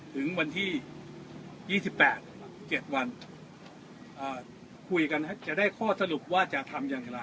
ถึงวันที่ยี่สิบแปดเจ็ดวันอ่าคุยกันให้จะได้ข้อสรุปว่าจะทำอย่างไร